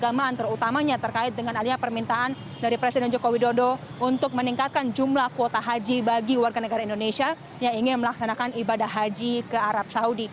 dan keagamaan terutamanya terkait dengan alihnya permintaan dari presiden joko widodo untuk meningkatkan jumlah kuota haji bagi warga negara indonesia yang ingin melaksanakan ibadah haji ke arab saudi